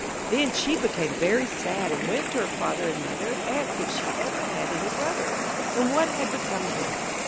}] Then she became very sad, and went to her father and mother and asked if she had ever had any brothers, and what had become of them.